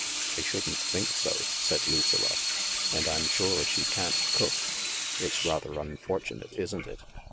"I shouldn't think so," said Lucilla. "And I'm sure she can't cook. It's rather unfortunate, isn't it